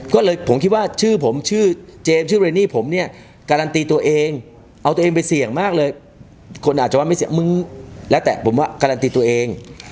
ก็เลยผมคิดว่าชื่อผมชื่อเจมส์ชื่อเรนนี่ผมเนี่ยการันตีตัวเองเอาตัวเองไปเสี่ยงมากเลยคนอาจจะว่าไม่เสี่ยงมึงแล้วแต่ผมว่าการันตีตัวเอง